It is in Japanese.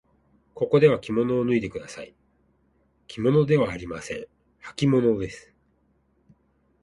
ここではきものを脱いでください。きものではありません。はきものです。